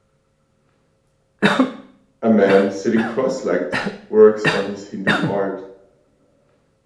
A man sitting crosslegged works on his Hindu art